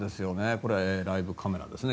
これ、ライブカメラですね。